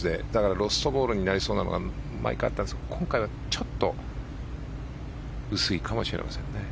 ロストボールになりそうなのが毎回あったんですが今回はちょっと薄いかもしれませんね。